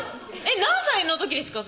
何歳の時ですか？